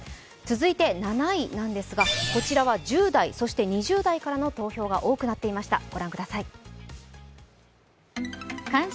続いて７位なんですが、こちらは１０代、２０代からの投票が多くなっていました。